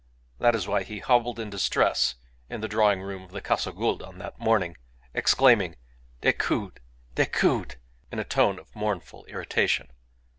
That is why he hobbled in distress in the drawing room of the Casa Gould on that morning, exclaiming, "Decoud, Decoud!" in a tone of mournful irritation.